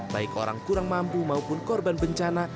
baik orang kurang mampu maupun korban bencana